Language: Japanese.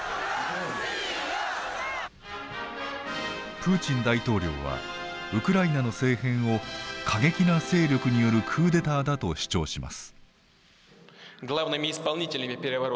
プーチン大統領はウクライナの政変を過激な勢力によるクーデターだと主張します。